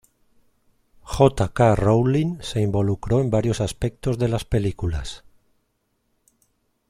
J. K. Rowling se involucró en varios aspectos de las películas.